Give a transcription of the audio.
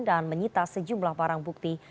dan menyita sejumlah barang bukti